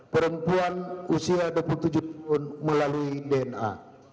perempuan usia dua puluh tujuh tahun melalui dna